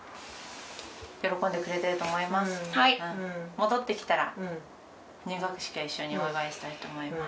戻ってきたら入学式は一緒にお祝いしたいと思います。